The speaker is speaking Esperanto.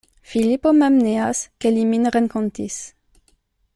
Filipo mem neas, ke li min renkontis.